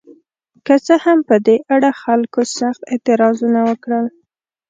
که څه هم په دې اړه خلکو سخت اعتراضونه وکړل.